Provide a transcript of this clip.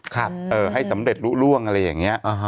ครับเออให้สำเร็จลุ้งอะไรอย่างเงี้ยอะฮะ